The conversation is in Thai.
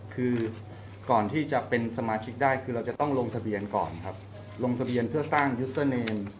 คือก่อนที่จะเป็นสมาชิกได้คือเราจะต้องลงทะเบียนก่อนครับลงทะเบียนเพื่อสร้างยุเซอร์เนร